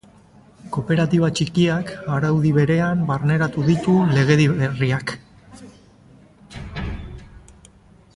Kooperatiba txikiak araudi berean barneratu ditu legedi berriak.